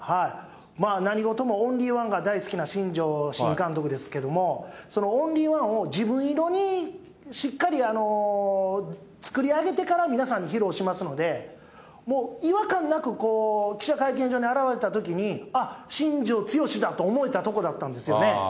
何事もオンリーワンが大好きな新庄新監督ですけれども、そのオンリーワンを自分色にしっかり作り上げてから、皆さんに披露しますので、もう違和感なく、記者会見場に現れたときに、あっ、新庄剛志だと思えたとこだったんですよね。